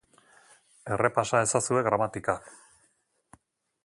Errepasa ezazue gramatika.